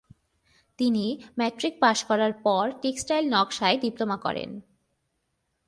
তিনি matric pass করার পর টেক্সটাইল নকশায় ডিপ্লোমা করেন।